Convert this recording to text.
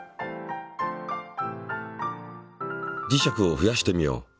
磁石を増やしてみよう。